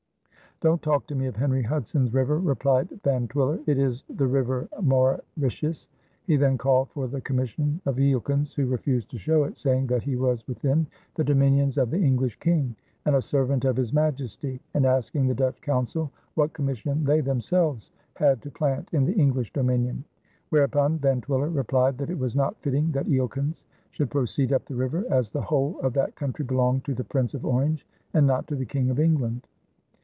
"Don't talk to me of Henry Hudson's River!" replied Van Twiller, "it is the River Mauritius." He then called for the commission of Eelkens, who refused to show it, saying that he was within the dominions of the English King, and a servant of His Majesty, and asking the Dutch Council what commission they themselves had to plant in the English dominion. Whereupon Van Twiller replied that it was not fitting that Eelkens should proceed up the river, as the whole of that country belonged to the Prince of Orange and not to the King of England.